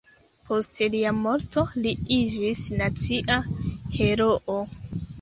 Post lia morto li iĝis nacia heroo.